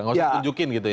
gak usah tunjukin gitu ya